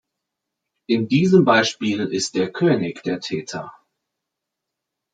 In diesem Beispiel ist der König der Täter.